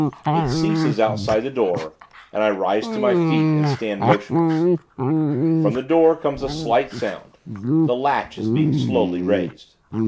It ceases outside the door; and I rise to my feet, and stand motionless. From the door, comes a slight sound the latch is being slowly raised.